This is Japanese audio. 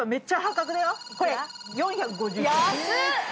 これ４５１円。